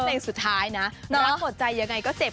เพลงสุดท้ายนะร้อนหมดใจยังไงก็เจ็บ